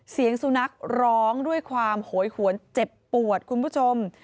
เสียงสุนัขร้องด้วยความโหยหวนเจ็บปวดคุณผู้ชม